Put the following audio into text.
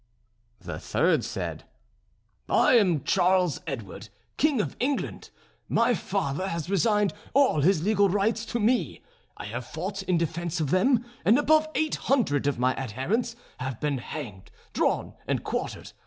The third said: "I am Charles Edward, King of England; my father has resigned all his legal rights to me. I have fought in defence of them; and above eight hundred of my adherents have been hanged, drawn, and quartered.